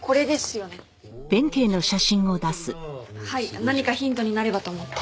はい何かヒントになればと思って。